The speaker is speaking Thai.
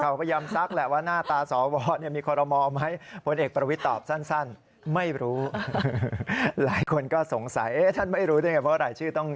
เอาล่ะเออเป็นผู้พิจารณาโดยตรง